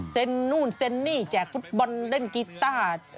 นู่นเซ็นนี่แจกฟุตบอลเล่นกีต้า